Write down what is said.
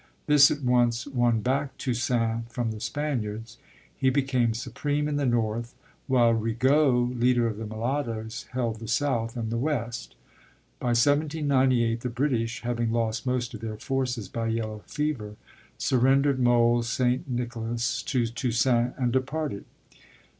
This at once won back Toussaint from the Spaniards. He became supreme in the north, while Rigaud, leader of the mulattoes, held the south and the west. By 1798 the British, having lost most of their forces by yellow fever, surrendered Mole St. Nicholas to Toussaint and departed.